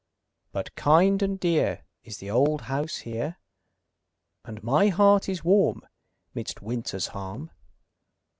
But kind and dear Is the old house here And my heart is warm Midst winter's harm.